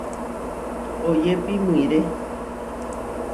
Oyépi muʼiré.